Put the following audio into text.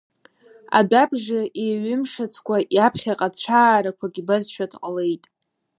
Адәы абжа еиҩимшацкәа иаԥхьаҟа цәаарақәак ибазшәа дҟалеит.